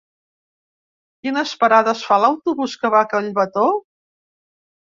Quines parades fa l'autobús que va a Collbató?